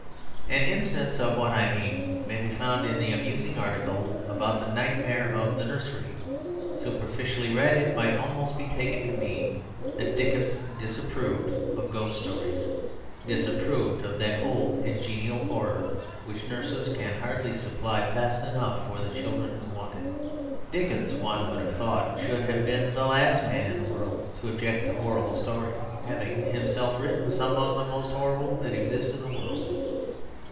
An instance of what I mean may be found in the amusing article about the nightmares of the nursery. Superficially read it might almost be taken to mean that Dickens disapproved of ghost stories disapproved of that old and genial horror which nurses can hardly supply fast enough for the children who want it. Dickens, one would have thought, should have been the last man in the world to object to horrible stories, having himself written some of the most horrible that exist in the world.